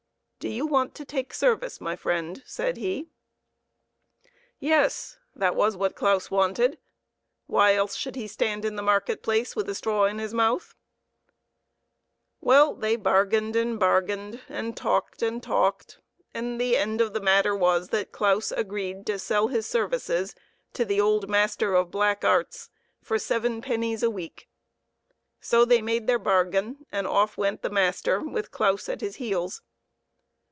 " Do you want to take service, my friend ?" said he. Yes, that was what Claus wanted ; why else should he stand in the market place with a straw in his mouth ? Well, they bargained and bargained, and talked and talked, and the end of the matter was that Claus agreed to sell his services to the old master of black arts for seven pennies a week. So they made their bargain, and off went the master with Claus at his heels.